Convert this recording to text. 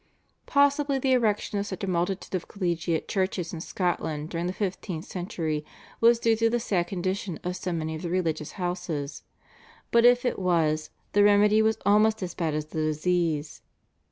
Possibly the erection of such a multitude of collegiate churches in Scotland during the fifteenth century was due to the sad condition of so many of the religious houses, but if it was, the remedy was almost as bad as the disease.